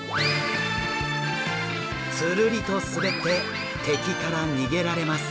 つるりと滑って敵から逃げられます。